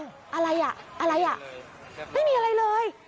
อะไรอ่ะอะไรอ่ะไม่มีอะไรเลย